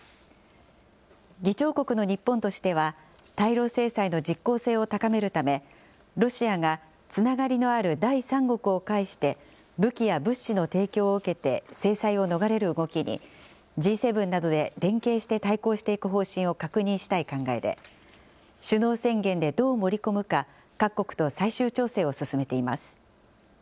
議長国の日本としては、対ロ制裁の実効性を高めるため、ロシアがつながりのある第三国を介して、武器や物資の提供を受けて制裁を逃れる動きに、Ｇ７などで連携して対抗していく方針を確認したい考えで、首脳宣言でどう盛り込むか、各国と最終調整を進めています。